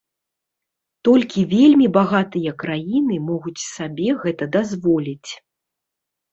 Толькі вельмі багатыя краіны могуць сабе гэта дазволіць.